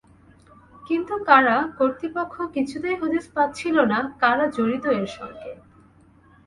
কিন্তু কারা কর্তৃপক্ষ কিছুতেই হদিস পাচ্ছিল না কারা জড়িত এর সঙ্গে।